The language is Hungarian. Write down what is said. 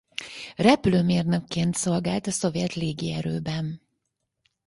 Repülőmérnökként szolgált a szovjet légierőben.